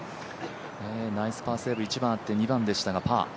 ナイスパーセーブ１番あって２番でしたが。